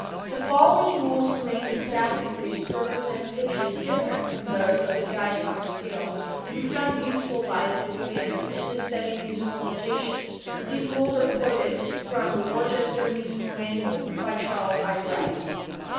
The following rules for making staff degrees represent pitches different from those of the diatonic scale will be found useful by the beginner in the study of music notation. These rules are quoted from "The Worcester Musical Manual," by Charles I. Rice.